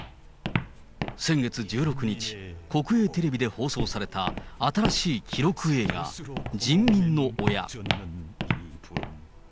先月１６日、国営テレビで放送された新しい記録映画、人民の親。